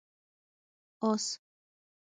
🐎 آس